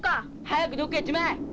早くどっかへ行っちまえ！